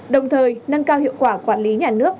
đồng thời nâng cao hiệu quả quản lý nhà nước